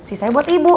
sisanya buat ibu